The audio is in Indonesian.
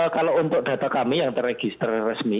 kalau untuk data kami yang teregister resmi